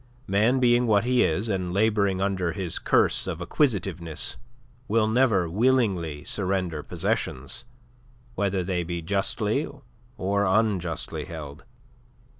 Man being what he is, and labouring under his curse of acquisitiveness, will never willingly surrender possessions, whether they be justly or unjustly held.